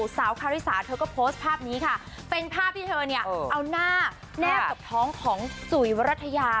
สาวคาริสาเธอก็โพสต์ภาพนี้ค่ะเป็นภาพที่เธอเนี่ยเอาหน้าแนบกับท้องของจุ๋ยวรัฐยา